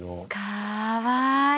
かわいい。